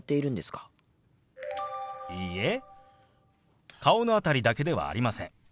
いいえ顔の辺りだけではありません。